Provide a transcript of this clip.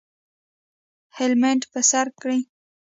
هیلمټ په سر کړئ